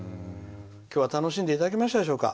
今日は楽しんでいただけましたでしょうか。